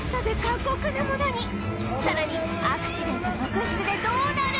さらにアクシデント続出でどうなる！？